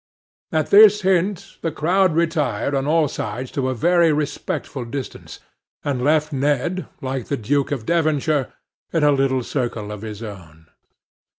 At this hint the crowd retired on all sides to a very respectful distance, and left Ned, like the Duke of Devonshire, in a little circle of his own.